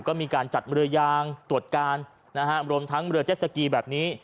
ก็มีการจัดเรือยางตรวจการนะฮะรวมทั้งเรือเจ็ดสกีแบบนี้